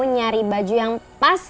nyari baju yang pas